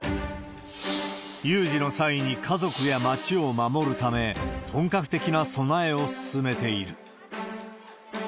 有事の際に家族や町を守るため、本格的な備えを進めている。